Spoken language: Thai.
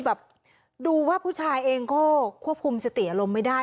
แบบดูว่าผู้ชายเองก็ควบคุมสติอารมณ์ไม่ได้